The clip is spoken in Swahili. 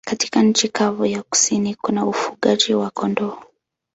Katika nchi kavu ya kusini kuna ufugaji wa kondoo.